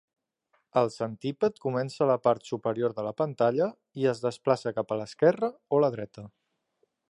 El centíped comença a la part superior de la pantalla i es desplaça cap a l'esquerra o la dreta.